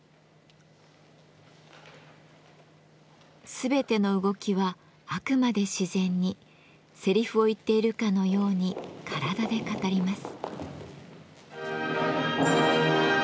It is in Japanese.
全ての動きはあくまで自然にセリフを言っているかのように体で語ります。